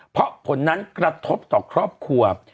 เพราะผลนั้นกระทบต่อครอบครัว